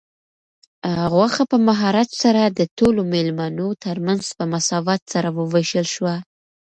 غوښه په مهارت سره د ټولو مېلمنو تر منځ په مساوات سره وویشل شوه.